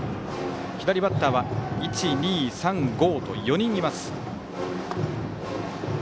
左バッターは１、２、３、５と４人います。